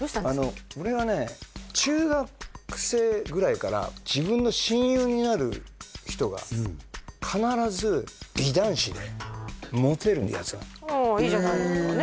俺がね中学生ぐらいから自分の親友になる人が必ずモテるヤツなんですよいいじゃないですかね